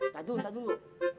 taduh taduh loh